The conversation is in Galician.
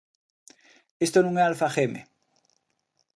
Isto non é Alfageme.